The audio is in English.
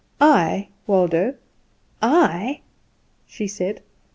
"I, Waldo, I?" she said.